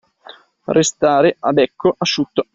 Restare a becco asciutto.